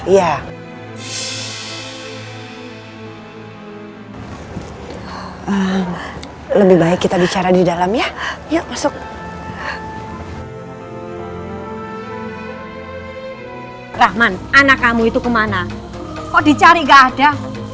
ya lebih baik kita bicara di dalamnya yuk masuk rahman anak kamu itu kemana kok dicari gak ada